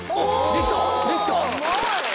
できた！